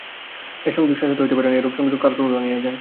এ সংযোগ শাশ্বত হইতে পারে না, এরূপ সংযোগ কালক্রমে ভাঙিয়া যায়।